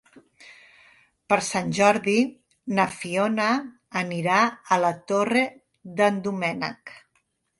Per Sant Jordi na Fiona anirà a la Torre d'en Doménec.